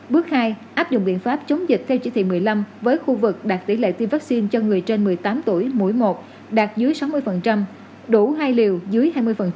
bước hai áp dụng biện pháp chống dịch theo chỉ thị một mươi năm với khu vực đạt tỷ lệ tiêm vaccine cho người trên một mươi tám tuổi mỗi một đạt dưới sáu mươi đủ hai liều dưới hai mươi